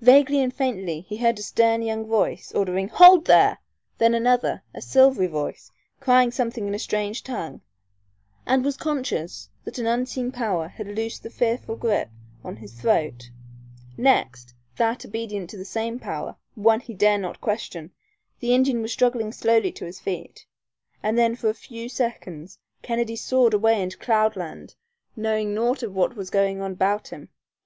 Vaguely, faintly he heard a stern young voice ordering "Hold there!" then another, a silvery voice, crying something in a strange tongue, and was conscious that an unseen power had loosed the fearful grip on his throat; next, that, obedient to that same power, one he dare not question, the Indian was struggling slowly to his feet, and then for a few seconds Kennedy soared away into cloudland, knowing naught of what was going on about him.